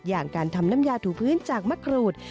อย่างการทำน้ำยาถูพื้นจากมะกรูด